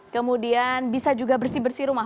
kemudian bisa juga bersih bersih rumah